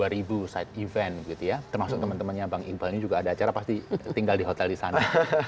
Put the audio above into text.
dua ribu side event gitu ya termasuk teman temannya bang iqbal ini juga ada acara pasti tinggal di hotel di sana